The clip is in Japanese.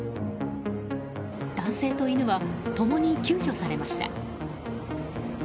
男性と犬は共に救助されました。